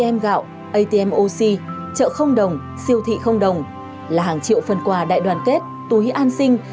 atm gạo atm oxy chợ không đồng siêu thị không đồng là hàng triệu phần quà đại đoàn kết túi an sinh